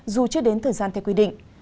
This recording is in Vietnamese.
dù chưa đến thời gian theo quy định